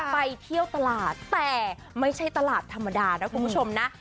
ไปเที่ยวตลาดแต่ไม่ใช่ตลาดธรรมดานะคุณผู้ชมนะ